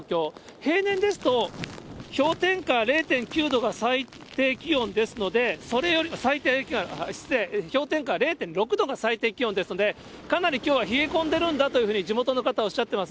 平年ですと、氷点下０．９度が最低気温ですので、失礼、氷点下０．６度が最低気温ですので、かなりきょうは冷え込んでるんだというふうに地元の方はおっしゃってます。